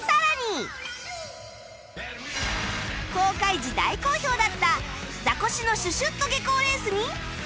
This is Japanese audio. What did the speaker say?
公開時大好評だった『ザコシのシュシュッ！と下校レース』に